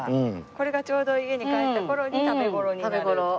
これがちょうど家に帰った頃に食べ頃になる。